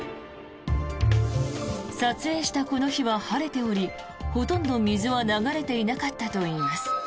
撮影したこの日は晴れておりほとんど水は流れていなかったといいます。